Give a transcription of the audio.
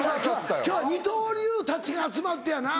今日は二刀流たちが集まってやな